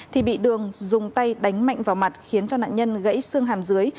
thì bị đường dùng tay đánh mạnh vào mặt khiến cho nạn nhân gãy xương hàm dưới